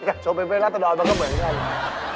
อีกละครับไปเป็นลาสดอลมันก็เหมือนกันน่ะ